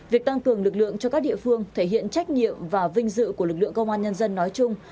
việc tăng cường lực lượng cho các địa phương thể hiện trách nhiệm và vinh dự của lực lượng công an nhân dân nói chung